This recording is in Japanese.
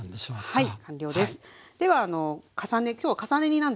はい。